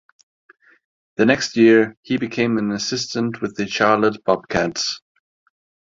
The next year, he became an assistant with the Charlotte Bobcats.